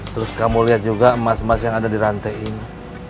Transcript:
terus kamu lihat juga emas emas yang ada di rantai ini